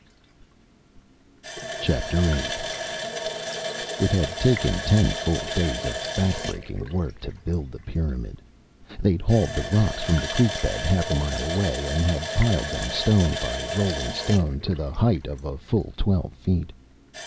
VIII It had taken ten full days of back breaking work to build the pyramid. They'd hauled the rocks from the creek bed half a mile away and had piled them, stone by rolling stone, to the height of a full twelve feet.